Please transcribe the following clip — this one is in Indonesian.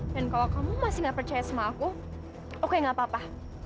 dan kalau kamu masih nggak percaya sama aku oke nggak apa apa